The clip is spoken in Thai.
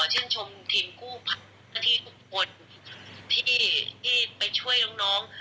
ขอเชื่อชมทีมกู้พันธุ์ที่ทุกคนที่ไปช่วยน้อง